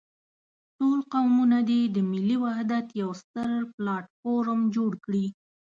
ټول قومونه دې د ملي وحدت يو ستر پلاټ فورم جوړ کړي.